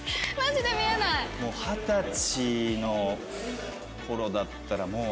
もう二十歳の頃だったらもう。